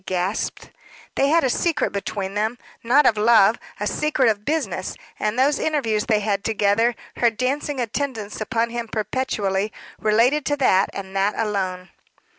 she gasped. "They had a secret between them not of love a secret of business; and those interviews they had together, her dancing attendance upon him perpetually, related to that, and that alone."